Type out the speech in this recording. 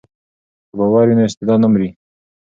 که باور وي نو استعداد نه مري.